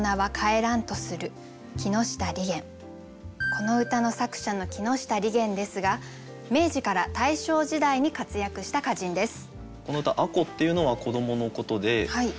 この歌の作者の木下利玄ですが明治から大正時代に活躍した歌人です。